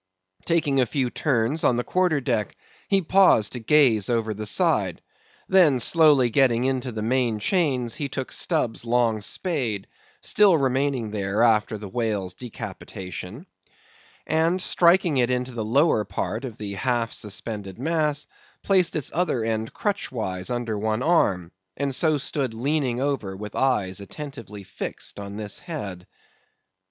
Taking a few turns on the quarter deck, he paused to gaze over the side, then slowly getting into the main chains he took Stubb's long spade—still remaining there after the whale's decapitation—and striking it into the lower part of the half suspended mass, placed its other end crutch wise under one arm, and so stood leaning over with eyes attentively fixed on this head.